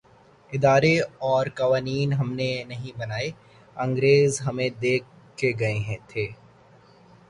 ادارے اورقوانین ہم نے نہیں بنائے‘ انگریز ہمیں دے کے گئے تھے۔